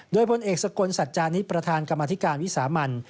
โดยพลเอกสกลสัจจานิสประธานกรรมธิการวิสามัน